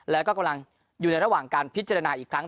แล้วก็กำลังอยู่ในระหว่างการพิจารณาอีกครั้ง